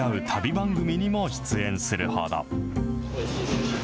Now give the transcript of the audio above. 番組にも出演するほど。